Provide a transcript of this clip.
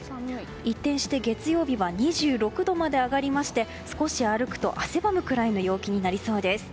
一転して月曜日は２６度まで上がりまして少し歩くと、汗ばむくらいの陽気になりそうです。